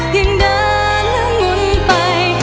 ยังเดินแล้วหมุนไป